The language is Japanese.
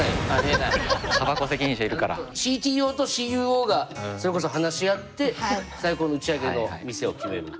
ＣＴＯとＣＵＯがそれこそ話し合って最高の打ち上げの店を決める。